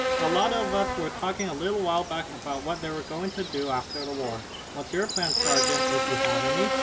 "A lot of us were talking a little while back about what they were going to do after the war. What's your plan, sergeant, if you have any?"